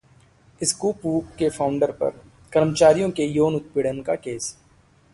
ScoopWhoop के founder पर कर्मचारी के यौन उत्पीड़न का केस